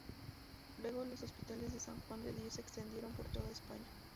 Luego, los hospitales de San Juan de Dios se extendieron por toda España.